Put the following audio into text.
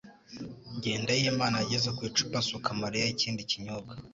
Jyendayimana yageze ku icupa asuka Mariya ikindi kinyobwa.